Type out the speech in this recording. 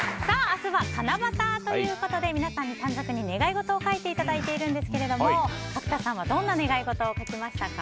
明日は七夕ということで皆さんに短冊に願い事を書いていただいているんですが角田さんはどんな願い事を書きましたか。